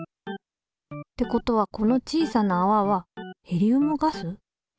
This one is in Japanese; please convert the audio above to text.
ってことはこの小さなあわはヘリウムガス？